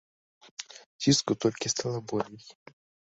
Ціску толькі стала болей.